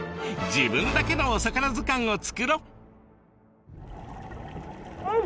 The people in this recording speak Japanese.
自分だけのお魚図鑑を作ろう！